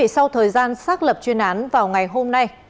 sau thời gian xác lập chuyên án vào ngày hôm nay